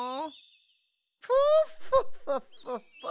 フォッフォッフォッフォッフォッ。